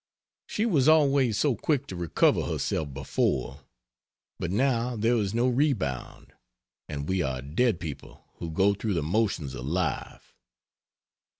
She was always so quick to recover herself before, but now there is no rebound, and we are dead people who go through the motions of life.